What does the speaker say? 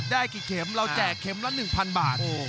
ได้กี่เข็มเราแจกเข็มละ๑๐๐บาท